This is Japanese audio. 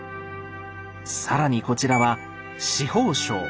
更にこちらは「司法省」。